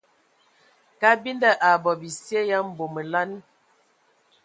Kabinda a bɔ bisye ya mbomolan.